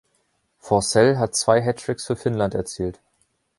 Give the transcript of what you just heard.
Forssell hat zwei Hattricks für Finnland erzielt.